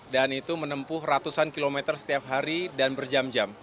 dan itu menempuh ratusan kilometer setiap hari dan berjam jam